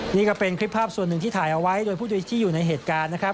นี่ก็เป็นคลิปภาพส่วนหนึ่งที่ถ่ายเอาไว้โดยผู้โดยที่อยู่ในเหตุการณ์นะครับ